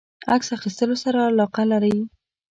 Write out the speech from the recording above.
عکس اخیستلو سره علاقه لری؟